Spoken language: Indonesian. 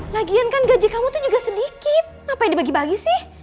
lagian kan gaji kamu tuh juga sedikit apa yang dibagi bagi sih